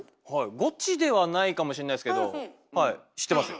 「ゴチ」ではないかもしれないですけどはい知ってますよ。